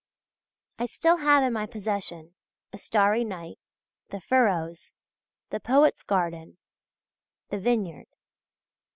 I still have in my possession "A Starry Night," "The Furrows," "The Poet's Garden," "The Vineyard."